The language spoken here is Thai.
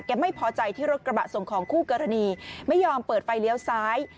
ไม่พอใจที่รถกระบะส่งของคู่กรณีไม่ยอมเปิดไฟเลี้ยวซ้าย